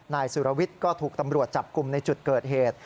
นายสุรวิทย์ก็ถูกตำรวจจับกลุ่มในจุดเกิดเหตุ